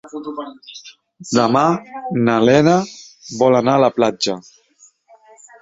Demà na Lena vol anar a la platja.